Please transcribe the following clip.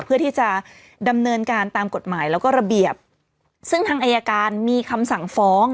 เพื่อที่จะดำเนินการตามกฎหมายแล้วก็ระเบียบซึ่งทางอายการมีคำสั่งฟ้อง